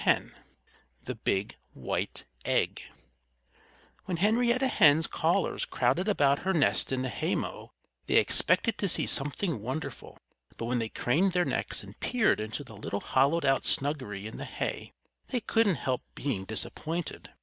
X THE BIG, WHITE EGG When Henrietta Hen's callers crowded about her nest in the haymow they expected to see something wonderful. But when they craned their necks and peered into the little hollowed out snuggery in the hay they couldn't help being disappointed.